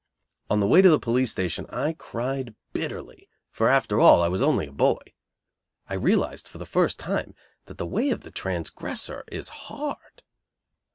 On the way to the police station I cried bitterly, for, after all, I was only a boy. I realized for the first time that the way of the transgressor is hard.